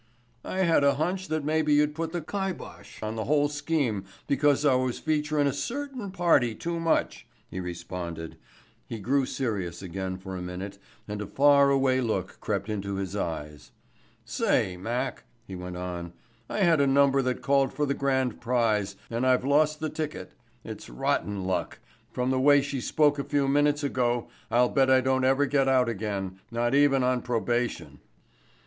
"I had a hunch that maybe you'd put the kibosh on the whole scheme because I was featurin' a certain party too much," he responded. He grew serious again for a minute and a far away look crept into his eyes. "Say, Mac," he went on, "I had a number that called for the grand prize, and I've lost the ticket. It's rotten luck. From the way she spoke a few minutes ago I'll bet I don't ever get out again, not even on probation."